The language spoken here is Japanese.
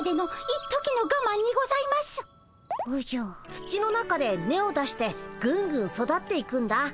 土の中で根を出してぐんぐん育っていくんだ。